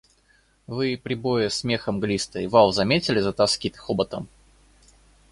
Вы прибоя смеха мглистый вал заметили за тоски хоботом?